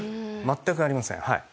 全くありませんはい。